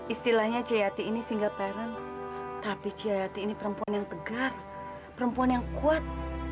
istilahnya ciyati ini single parent tapi ciyati ini perempuan yang tegar perempuan yang kuat